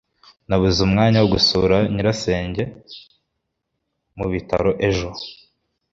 nabuze umwanya wo gusura nyirasenge mu bitaro ejo